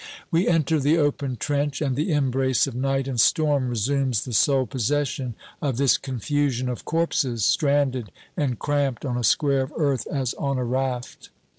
We enter the open trench, and the embrace of night and storm resumes the sole possession of this confusion of corpses, stranded and cramped on a square of earth as on a raft.